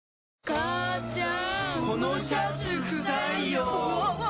母ちゃん！